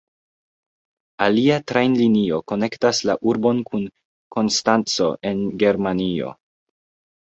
Alia trajnlinio konektas la urbon kun Konstanco en Germanio.